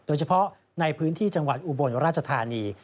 โดยเฉพาะในพื้นที่จังหวัดอุบลราชธานี